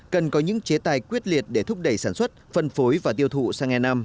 cần có những chế tài quyết liệt để thúc đẩy sản xuất phân phối và tiêu thụ sang e năm